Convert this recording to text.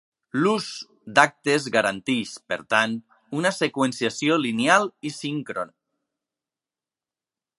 L'ús d'actes garanteix, per tant, una seqüenciació lineal i síncrona.